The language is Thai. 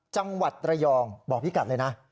จังหวัดระยองบอกพี่กัดเลยนะ